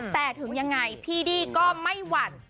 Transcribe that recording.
แต่ถึงยังไงพี่ดี้ก็ไม่หวั่น